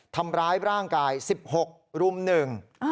ทำร้ายร่างกาย๑๖รุ่มหนึ่ง